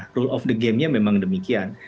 peraturan permainannya memang demikian